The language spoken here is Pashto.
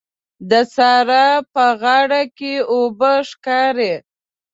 د سارا په غاړه کې اوبه ښکاري.